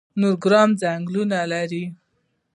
نورګرام ځنګلونه لري؟